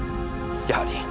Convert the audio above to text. やはり！